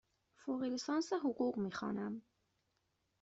فوق لیسانس حقوق می خوانم.